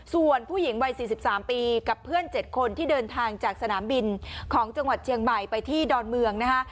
ส่วนผู้หญิงวัย๔๓ปีกับเพื่อน๗คนที่เดินทางจากสนามบินของจังหวัดเชียงใหม่ไปที่ดอนเมืองนะฮะ